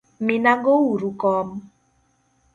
Minago uru kom.